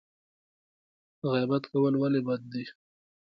غیبت کول ولې بد دي؟